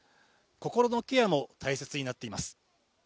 心のケアも大切になっています。